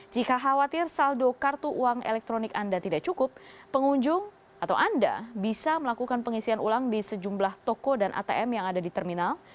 jika khawatir saldo kartu uang elektronik anda tidak cukup pengunjung atau anda bisa melakukan pengisian ulang di sejumlah toko dan atm yang ada di terminal